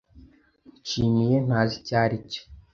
Nshimiye ntazi icyo aricyo.